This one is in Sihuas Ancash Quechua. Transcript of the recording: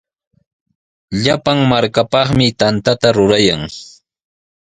Llapan markapaqmi tantata rurayan.